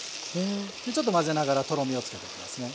でちょっと混ぜながらとろみをつけていきますね。